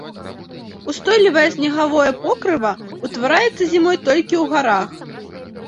Устойлівае снегавое покрыва ўтвараецца зімой толькі ў гарах.